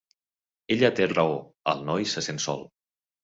Ella té raó; el noi se sent sol.